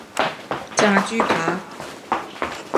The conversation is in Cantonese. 炸豬扒